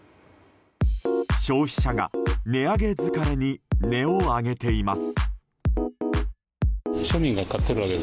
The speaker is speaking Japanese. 消費者が値上げ疲れに値を上げています。